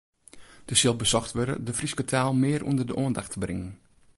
Der sil besocht wurde de Fryske taal mear ûnder de oandacht te bringen.